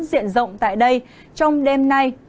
diện rộng tại đây trong đêm nay